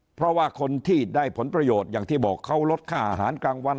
เพราะว่าคนที่ได้ผลประโยชน์อย่างที่บอกเขาลดค่าอาหารกลางวัน